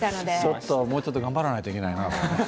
ちょっと、もうちょっと頑張らないとなと。